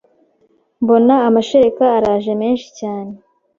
mbona amashereka araje menshi cyane